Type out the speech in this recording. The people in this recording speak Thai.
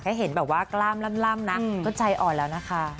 เห็นแบบว่ากล้ามล่ำนะก็ใจอ่อนแล้วนะคะ